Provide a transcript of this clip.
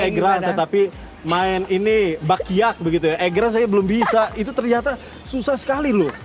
egrang tetapi main ini bakyak begitu ya egrang saya belum bisa itu ternyata susah sekali loh